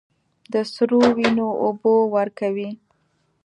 د سرو، وینو اوبه ورکوي